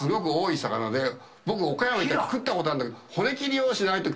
僕岡山行ったとき食ったことあるんだけど。